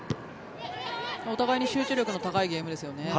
お互いに集中力の高いゲームですよね。